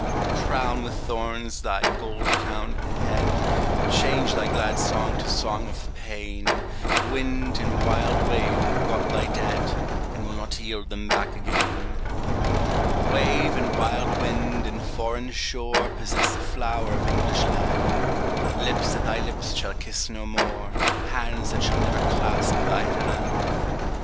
crown with thorns thy gold crowned head, Change thy glad song to song of pain ; Wind and wild wave have got thy dead, And will not yield them back again. Wave and wild wind and foreign shore Possess the flower of English land — Lips that thy lips shall kiss no more, Hands that shall never clasp thy hand.